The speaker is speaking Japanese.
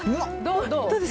どう？